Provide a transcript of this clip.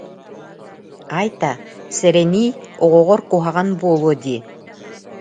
Айта, сэрэниий, оҕоҕор куһаҕан буолуо дии